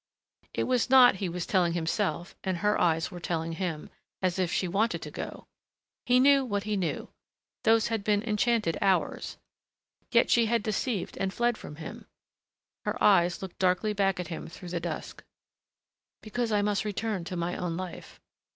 It was not, he was telling himself, and her eyes were telling him, as if she wanted to go. He knew what he knew.... Those had been enchanted hours.... Yet she had deceived and fled from him. Her eyes looked darkly back at him through the dusk. "Because I must return to my own life."